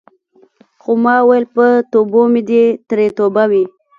خو ما ویل په توبو مې دې ترې توبه وي.